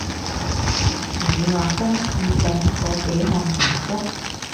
你話跟置頂嗰幾項原則？